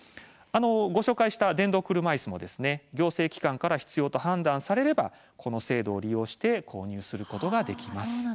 ご紹介した電動車いすも行政機関から必要と判断されればこの制度を利用して購入することができます。